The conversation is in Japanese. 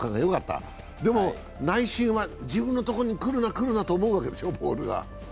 内心は自分のところに来るな来るなと思うわけでしょ、ボールが。